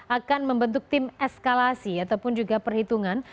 akan membentuk tim eskalasi ataupun juga perhitungan